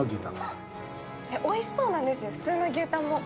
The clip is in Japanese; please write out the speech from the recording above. おいしそうなんですよ、普通の牛たんも。